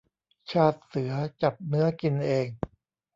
ชาติเสือจับเนื้อกินเอง